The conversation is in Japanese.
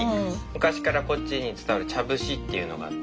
昔からこっちに伝わる茶節っていうのがあって。